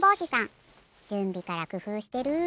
じゅんびからくふうしてる。